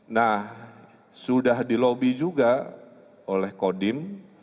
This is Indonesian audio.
nah sudah dilobi juga oleh kodim